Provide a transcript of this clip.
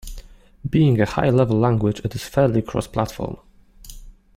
Being a high-level language, it is fairly cross-platform.